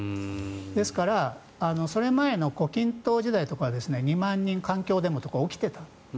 ですからソ連前の胡錦涛時代は２万人環境デモとか起きていた。